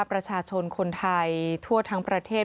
ประชาชนคนไทยทั่วทั้งประเทศ